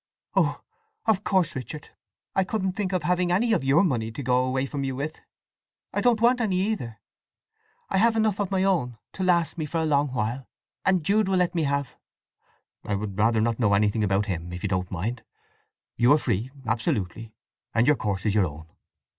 "Oh, of course, Richard, I couldn't think of having any of your money to go away from you with! I don't want any either. I have enough of my own to last me for a long while, and Jude will let me have—" "I would rather not know anything about him, if you don't mind. You are free, absolutely; and your course is your own."